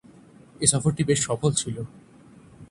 এ সফরটি বেশ সফল ছিল।